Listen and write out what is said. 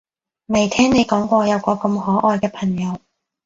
未聽你講過有個咁可愛嘅朋友